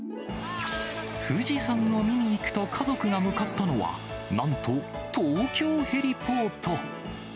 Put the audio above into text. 富士山を見に行くと家族が向かったのは、なんと東京ヘリポート。